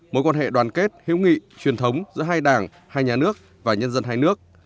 mối quan hệ đoàn kết hiếu nghị truyền thống giữa hai đảng hai nhà nước và nhân dân hai nước